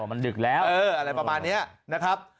มันดึกแล้วอะไรประมาณนี้นะครับ